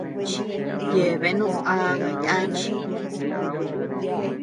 Yeabeanu aaba yana.